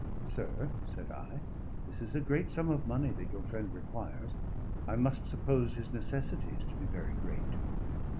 "Sir," said I, "this is a great sum of money that your friend requires. I must suppose his necessities to be very great."